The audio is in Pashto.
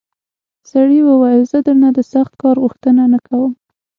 سړي وویل زه درنه د سخت کار غوښتنه نه کوم.